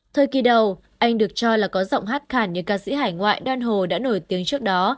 thời kỳ đầu anh được cho là có giọng hát khàn như ca sĩ hải ngoại đan hồ đã nổi tiếng trước đó